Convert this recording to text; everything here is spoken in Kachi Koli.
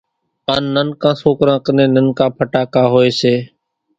ان ننڪان سوڪران ڪنين ننڪا ڦٽاڪا ھوئي سي